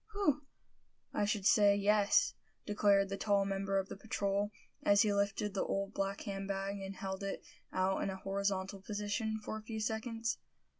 "Whew! I should say, yes!" declared the tall member of the patrol, as he lifted the old black hand bag, and held it out in a horizontal position for a few seconds.